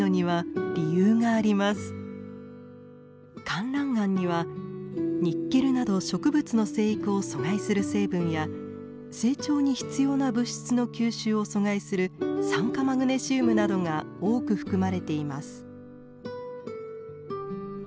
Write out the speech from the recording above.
かんらん岩にはニッケルなど植物の生育を阻害する成分や成長に必要な物質の吸収を阻害する酸化マグネシウムなどが多く含まれています。